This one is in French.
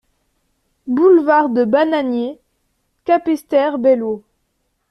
Boulevard de Bananier, Capesterre-Belle-Eau